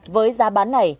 với giá bán này